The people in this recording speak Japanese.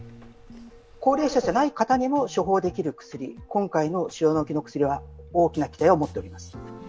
高齢者じゃない方にも処方できる薬、今回の塩野義の薬は大きな期待を持っております。